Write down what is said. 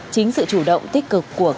chính sự chủ động tích cực của các trường hợp